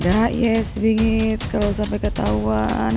gak yes bingits kalo sampe ketauan